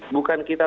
bukan kita tahu